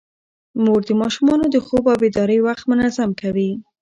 مور د ماشومانو د خوب او بیدارۍ وخت منظم کوي.